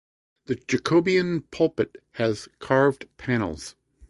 The Jacobean pulpit has carved panels.